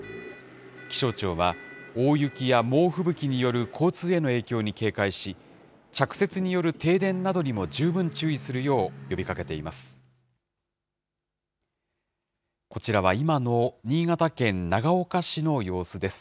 気象庁は大雪や猛吹雪による交通への影響に警戒し、着雪による停電などにも十分注意するよう呼びかけています。